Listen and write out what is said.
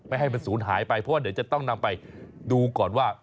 ให้มันสูญหายไปเพราะว่าเดี๋ยวจะต้องนำไปดูก่อนว่า